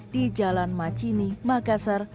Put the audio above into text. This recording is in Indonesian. di jalan macini makassar